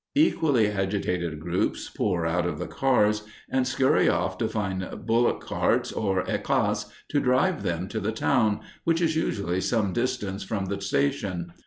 Equally agitated groups pour out of the cars and scurry off to find bullock carts or ekkas to drive them to the town, which is usually some distance from the station.